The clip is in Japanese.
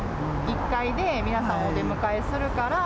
１階で皆さんをお出迎えするから。